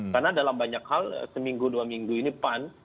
karena dalam banyak hal seminggu dua minggu ini pan